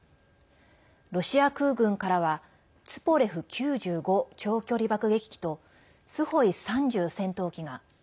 ロシア空軍からは「ツポレフ９５長距離爆撃機」と「スホイ３０戦闘機」が。